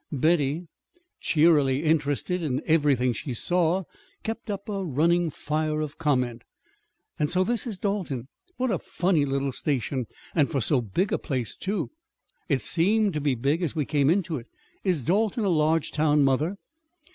Betty, cheerily interested in everything she saw, kept up a running fire of comment. "And so this is Dalton! What a funny little station and for so big a place, too! It seemed to be big, as we came into it. Is Dalton a large town, mother?"